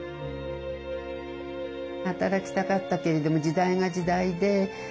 働きたかったけれども時代が時代で。